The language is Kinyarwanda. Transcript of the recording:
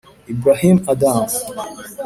Ibrahim Adam